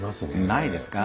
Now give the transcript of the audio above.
ないですか？